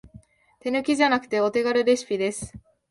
手抜きじゃなくてお手軽レシピです